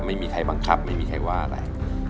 ไม่มีใครบังคับไม่มีใครว่าอะไร